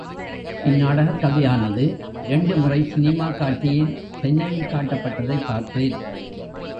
இந் நாடகக் கதையானது இரண்டு முறை சினிமாக் காட்சியில் சென்னையில் காட்டப்பட்டதைப் பார்த்தேன்.